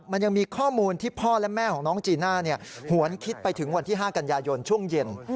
มันยังมีข้อมูลที่พ่อและแม่ของน้องจีน่าหวนคิดไปถึงวันที่๕กันยายนช่วงเย็น